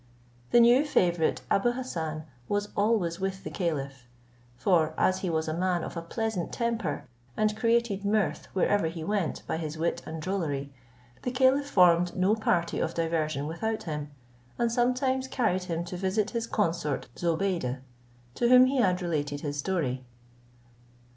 The new favourite Abou Hassan was always with the caliph; for, as he was a man of a pleasent temper, and created mirth wherever he went by his wit and drollery, the caliph formed no party of diversion without him, and sometimes carried him to visit his consort Zobeide, to whom he had related his story.